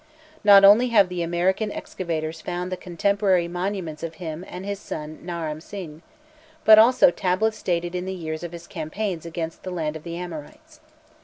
Not only have the American excavators found the contemporary monuments of him and his son Naram Sin, but also tablets dated in the years of his campaigns against "the land of the Amorites."